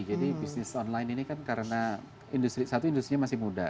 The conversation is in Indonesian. jadi bisnis online ini kan karena satu industri masih muda